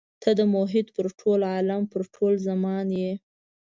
ته محیط پر ټول عالم پر ټول زمان یې.